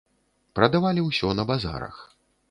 Прадавалі ўсё на базарах.